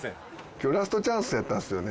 今日ラストチャンスやったんですよね？